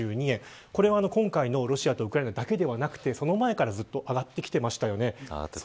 これは今回のロシアとウクライナだけではなくてその前からずっと上がってきてましたよね。